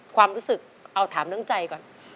ความรู้สึกเอาถามเรื่องใจก่อน